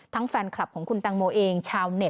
แฟนคลับของคุณแตงโมเองชาวเน็ต